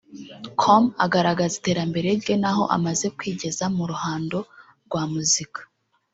com agaragaza iterambere rye n'aho amaze kwigeza mu ruhando rwa muzika